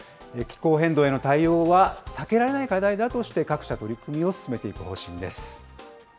気候変動への対応は避けられない課題だとして各社、取り組みを進めていく方針です。